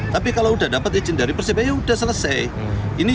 tapi kalau sudah mendapatkan ejen dari persepaya ya sudah selesai